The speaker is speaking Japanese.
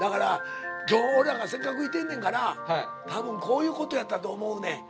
今日俺らがせっかくいてんねんからたぶんこういうことやったと思うねん。